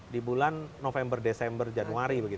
di bulan november desember januari